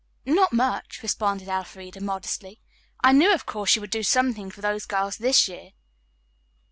"Not much," responded Elfreda modestly. "I knew, of course, you would do something for those girls this year."